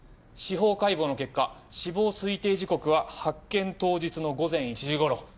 司法解剖の結果死亡推定時刻は発見当日の午前１時ごろ。